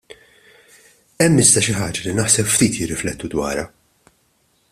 Hemm iżda xi ħaġa li naħseb ftit jirriflettu dwarha.